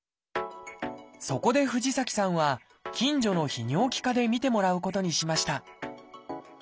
そこで藤崎さんは近所の泌尿器科で診てもらうことにしました。